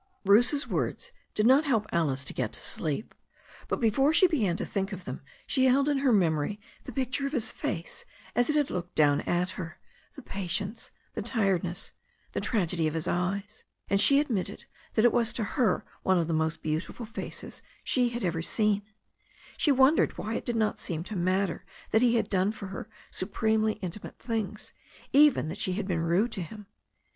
Bruce's words did not help Alice to get to sleep. But before she began to think of them she held in her memory the picture of his face as it had looked down at her, the patience, the tiredness, the tragedy of his eyes. And she admitted that it was to her one of the most beautiful faces she had ever seen. She wondered why it did not seem to matter that he had done for her supremely intimate things, even that she had been rude to him.